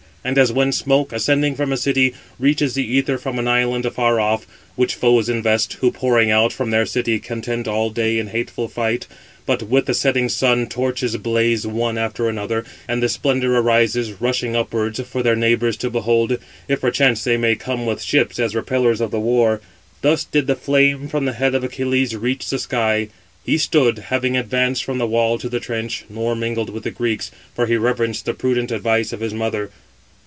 And as when smoke, ascending from a city, reaches the æther from an island afar off, which foes invest, who [pouring out] from their city, contend all day in hateful fight: but with the setting sun torches blaze one after another, 584 and the splendour arises, rushing upwards, for [their] neighbours to behold, if perchance they may come with ships, as repellers of the war; thus did the flame from the head of Achilles reach the sky. He stood, having advanced from the wall to the trench, nor mingled with the Greeks, for he reverenced the prudent advice of his mother.